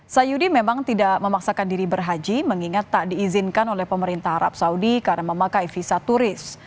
sayudi memang tidak memaksakan diri berhaji mengingat tak diizinkan oleh pemerintah arab saudi karena memakai visa turis